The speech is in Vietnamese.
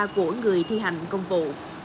mỗi người thi hành công vụ